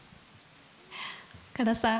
岡田さん